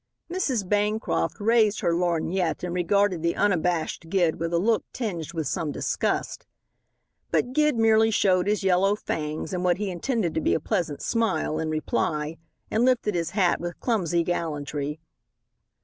Mrs. Bancroft raised her lorgnette and regarded the unabashed Gid with a look tinged with some disgust. But Gid merely showed his yellow fangs, in what he intended to be a pleasant smile, in reply, and lifted his hat with clumsy gallantry.